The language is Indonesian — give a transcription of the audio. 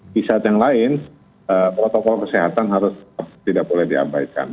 di saat yang lain protokol kesehatan harus tidak boleh diabaikan